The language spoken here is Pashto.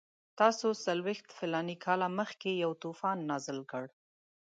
تاسو څلوېښت فلاني کاله مخکې یو طوفان نازل کړ.